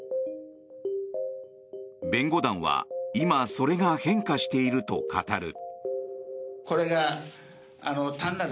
弁護団は今、それが変化していると語る。